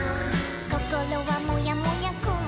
「こころはもやもやくもりぞら」